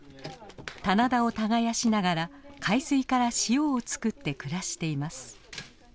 棚田を耕しながら海水から塩を作って暮らしています。